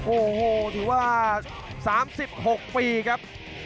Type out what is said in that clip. โอ้โหถือว่า๓๖ปีครับ